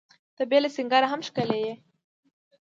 ته بې له سینګاره هم ښکلي یې.